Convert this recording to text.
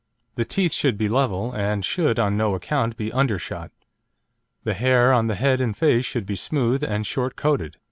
The teeth should be level, and should on no account be undershot. The hair on the head and face should be smooth and short coated.